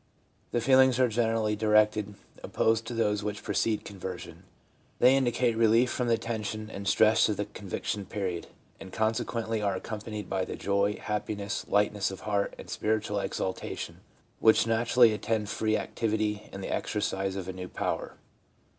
The feelings are generally directly opposed to those which precede conversion. They indicate relief from the tension and stress of the conviction period, and consequently are accompanied by the joy, happiness, lightness of heart and spiritual exaltation which naturally attend free activity and the exercise of a new power.